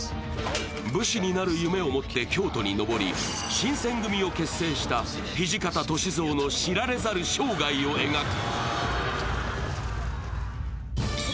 武士になる夢を持って京都に上り、新選組を結成した土方歳三の知られざる生涯を描く。